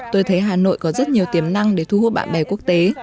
tôi thấy hà nội có rất nhiều tiềm năng để thu hút bạn bè quốc tế